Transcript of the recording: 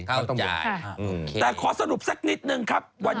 แต่ขอสรุปแสดงนิดนึงครับ